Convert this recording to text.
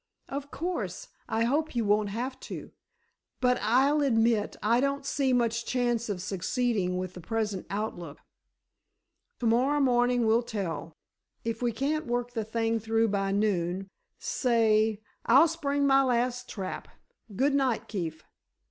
"Of course I hope you won't have to, but, I'll admit I don't see much chance of succeeding with the present outlook." "To morrow morning will tell. If we can't work the thing through by noon, say—I'll spring my last trap. Good night, Keefe."